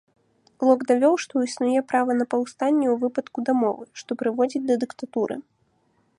Лок давёў, што існуе права на паўстанне ў выпадку дамовы, што прыводзіць да дыктатуры.